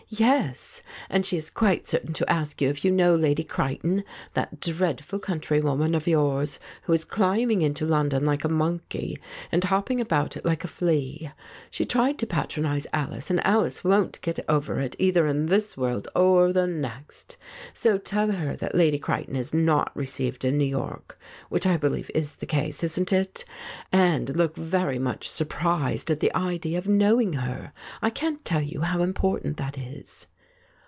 "Yes; and she is quite certain to ask you if you know Lady Creighton, that dreadful countrywoman of yours who is climbing into London like a monkey and hopping about it like a flea. She tried to patronize Alice, and Alice won't get over it either in this world or the next. So tell her that Lady Creighton is not received in New York— which I believe is the case, isn't it? — and look very much surprised at the idea of knowing her. I can't tell you how important that is."